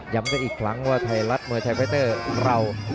ย้ำได้อีกครั้งว่าไทรัตเมื่อไทรเฟสเตอร์เรา